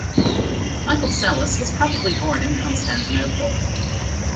Michael Psellos was probably born in Constantinople.